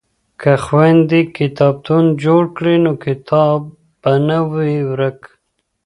که خویندې کتابتون جوړ کړي نو کتاب به نه وي ورک.